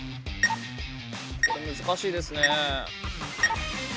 これ難しいですね。